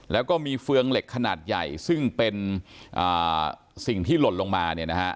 แล้วก็มีเฟืองเหล็กขนาดใหญ่ซึ่งเป็นสิ่งที่หล่นลงมาเนี่ยนะฮะ